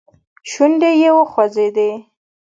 شونډي يې وخوځېدې.